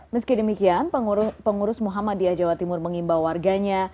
meski demikian pengurus muhammadiyah jawa timur mengimbau warganya